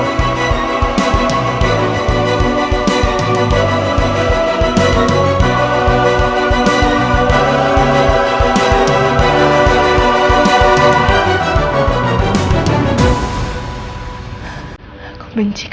aku benci kamu